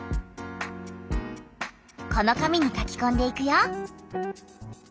この紙に書きこんでいくよ。